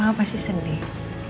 mama pasti sedih